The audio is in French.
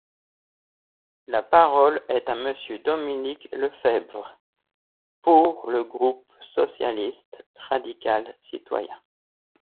La parole est à Monsieur Dominique Lefebvre, pour le groupe socialiste, radical, citoyen.